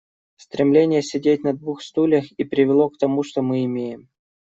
Стремление сидеть на двух стульях и привело к тому, что мы имеем.